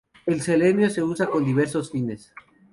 El selenio se usa con diversos fines.